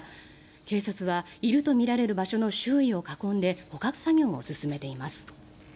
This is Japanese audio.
警察はいるとみられる場所の周囲を囲んで捕獲作業を進めています。